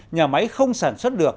nhà máy không sản xuất